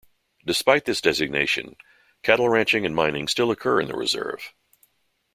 Despite this designation, cattle ranching and mining still occur in the Reserve.